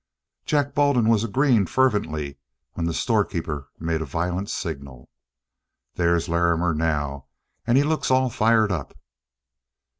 Jack Baldwin was agreeing fervently when the storekeeper made a violent signal. "There's Larrimer now, and he looks all fired up."